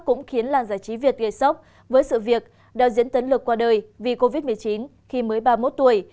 cũng khiến làn giải trí việt gây sốc với sự việc đạo diễn tấn lực qua đời vì covid một mươi chín khi mới ba mươi một tuổi